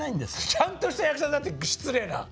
ちゃんとした役者さんって失礼な！